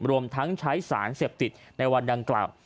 รวมทั้งใช้สารเสพติดในวันดังกล่าว